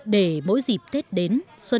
để mỗi dịp tết đến